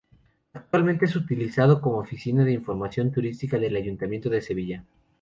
Actualmente es utilizado como Oficina de Información Turística del Ayuntamiento de Sevilla.